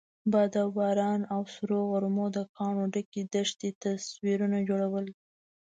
باد او باران او سرو غرمو د کاڼو ډکې دښتې تصویرونه جوړول.